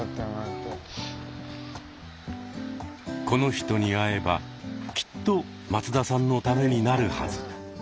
「この人に会えばきっと松田さんのためになるはず」。